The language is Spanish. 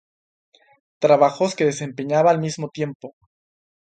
Trabajos que desempeñaba al mismo tiempo.